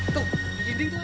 tuh di dinding tuh